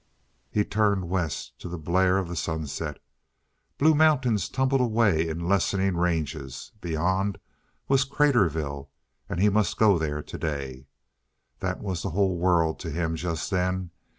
He turned west to the blare of the sunset. Blue Mountains tumbled away in lessening ranges beyond was Craterville, and he must go there today. That was the world to him just then.